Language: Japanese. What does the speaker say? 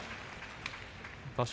場所